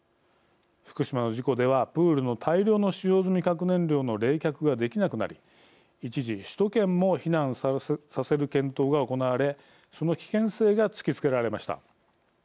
福島の事故ではプールの大量の使用済み核燃料の冷却ができなくなり一時、首都圏も避難させる検討が行われその危険性が突きつけられました。